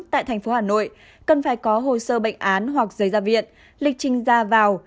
tại thành phố hà nội cần phải có hồ sơ bệnh án hoặc giấy ra viện lịch trình ra vào